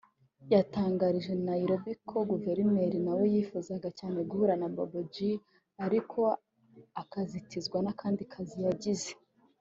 yatangarije Nairobian ko Guverineri nawe yifuzaga cyane kuhura na Babu G ariko akazitizwa n’akandi kazi yagize